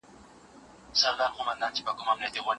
سیاستوال د سولي په خبرو کي څه غواړي؟